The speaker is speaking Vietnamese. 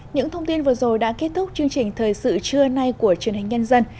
những thông tin vừa rồi đã kết thúc chương trình thời sự trưa nay của truyền hình nhân dân